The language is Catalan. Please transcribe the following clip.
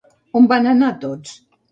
On van anar tots?